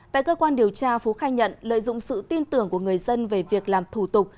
tại cơ quan điều tra phú khai nhận lợi dụng sự tin tưởng của người dân về việc làm thủ tục